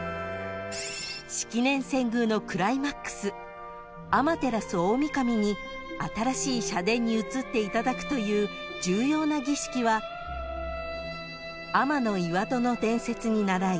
［式年遷宮のクライマックス天照大御神に新しい社殿に移っていただくという重要な儀式は天の岩戸の伝説に倣い真っ